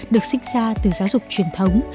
được sinh ra từ giáo dục truyền thống